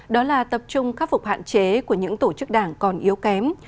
đó là tập trung khắc phục hạn chế của những tổ chức đảng còn yếu kém